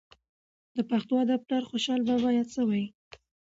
د پښتو ادب پلار خوشحال بابا یاد سوى.